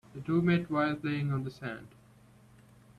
The two met while playing on the sand.